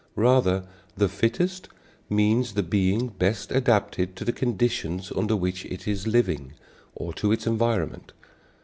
Rather the "fittest" means the being best adapted to the conditions under which it is living, or to its environment.